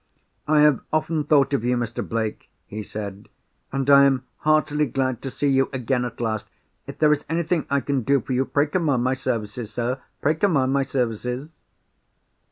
"I have often thought of you, Mr. Blake," he said; "and I am heartily glad to see you again at last. If there is anything I can do for you, pray command my services, sir—pray command my services!"